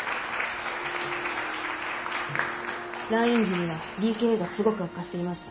来院時にはＤＫＡがすごく悪化していました。